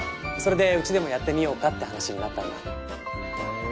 それでうちでもやってみようかって話になったんだ。